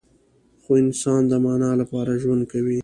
خو انسان د معنی لپاره ژوند کوي.